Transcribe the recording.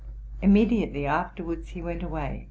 Immediately afterwards he went away.